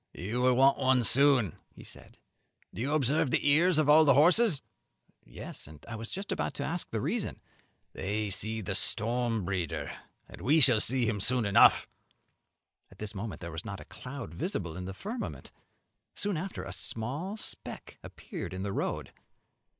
"You will want one soon," said he; "do you observe the ears of all the horses?" "Yes, and was just about to ask the reason." "They see the storm breeder, and we shall see him soon." At this moment there was not a cloud visible in the firmament. Soon after a small speck appeared in the road.